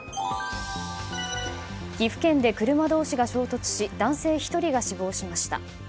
岐阜県で車同士が衝突し男性１人が死亡しました。